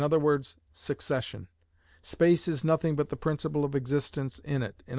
_, succession; space is nothing but the principle of existence in it, _i.e.